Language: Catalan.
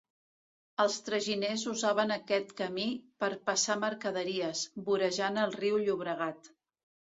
Els traginers usaven aquest camí per passar mercaderies, vorejant el riu Llobregat.